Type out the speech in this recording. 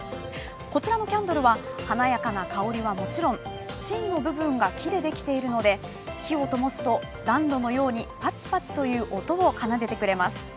こちらのキャンドルは、華やかな香りはもちろん芯の部分が木でできているので、火をともすと暖炉のようにパチパチという音を奏でてくれます。